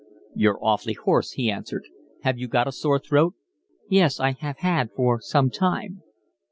"You're awfully hoarse," he answered. "Have you got a sore throat?" "Yes, I have had for some time."